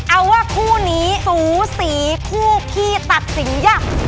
เอาว่าคู่นี้สูสีคู่ขี้ตัดสินยับ